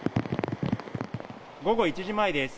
午後１時前です。